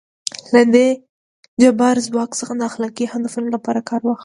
له دې جبار ځواک څخه د اخلاقي هدفونو لپاره کار واخلو.